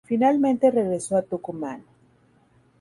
Finalmente regresó a Tucumán.